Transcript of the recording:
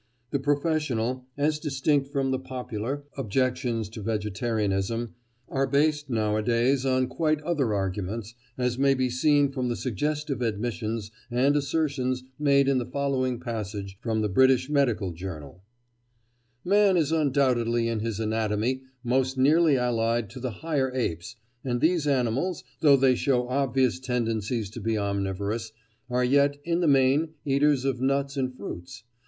The professional, as distinct from the popular, objections to vegetarianism, are based nowadays on quite other arguments, as may be seen from the suggestive admissions and assertions made in the following passage from the British Medical Journal: "Man is undoubtedly in his anatomy most nearly allied to the higher apes, and these animals, though they show obvious tendencies to be omnivorous, are yet, in the main, eaters of nuts and fruits.